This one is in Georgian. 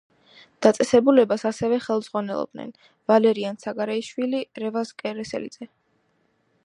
დაწესებულებას ასევე ხელმძღვანელობდნენ: ვალერიან ცაგარეიშვილი, რევაზ კერესელიძე.